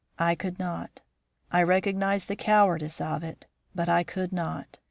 "I could not; I recognised the cowardice of it, but I could not.